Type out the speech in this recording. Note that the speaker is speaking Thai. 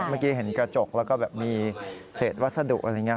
เมื่อกี้เห็นกระจกแล้วก็แบบมีเศษวัสดุอะไรอย่างนี้